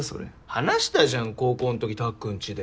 話したじゃん高校んときたっくんちで。